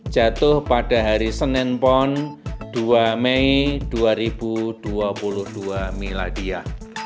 jatuh pada hari senin pon dua mei dua ribu dua puluh dua miladia